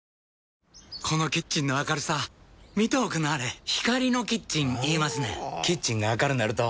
このキッチンの明るさ見ておくんなはれ光のキッチン言いますねんほぉキッチンが明るなると・・・